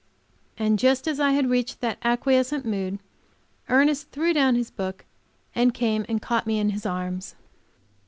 And just as I had reached that acquiescent mood Ernest threw down his book, and came and caught me in his arms.